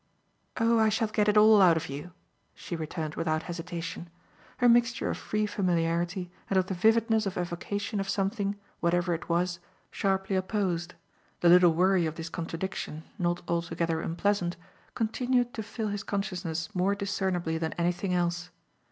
"Oh I shall get it all out of you," she returned without hesitation. Her mixture of free familiarity and of the vividness of evocation of something, whatever it was, sharply opposed the little worry of this contradiction, not altogether unpleasant, continued to fill his consciousness more discernibly than anything else.